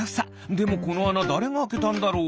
でもこのあなだれがあけたんだろう？